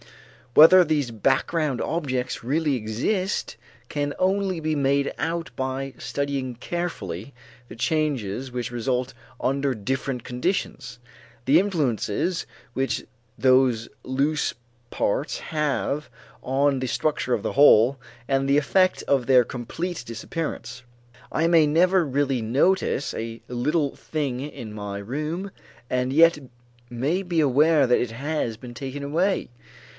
Whether these background objects really exist can only be made out by studying carefully the changes which result under different conditions, the influences which those loose parts have on the structure of the whole, and the effect of their complete disappearance. I may never really notice a little thing in my room and yet may be aware that it has been taken away.